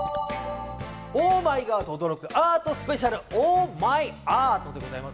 オーマイガーと驚くアートスペシャル、オーマイアートでございま